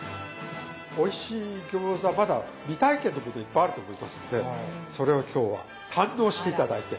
おいしい餃子はまだ未体験の部分がいっぱいあると思いますのでそれを今日は堪能して頂いて。